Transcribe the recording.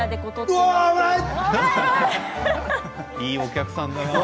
いいお客さんだな。